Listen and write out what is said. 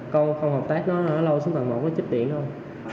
con không hợp tác nó lâu xong phần một nó chích tiễn thôi